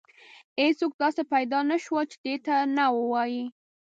هیڅوک داسې پیدا نه شول چې دې ته نه ووایي.